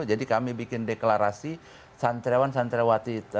jadi kami bikin deklarasi santriawan santriawati